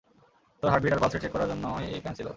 তোর হার্টবিট আর pulse rate check করার জন্যই এই প্ল্যান ছিলো।